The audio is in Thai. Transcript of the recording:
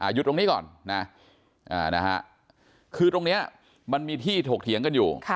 จุดตรงนี้ก่อนนะคือตรงนี้มันมีที่ถกเถียงกันอยู่